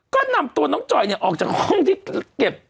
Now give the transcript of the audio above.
ก็นำตัวน้องจอยเนี่ยออกจากห้องที่เก็บ